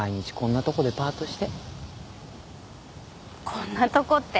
こんなとこって。